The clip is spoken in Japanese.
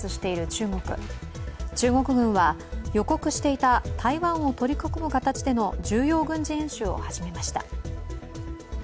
中国軍は予告していた台湾を取り囲む形での重要軍事演習を始めました。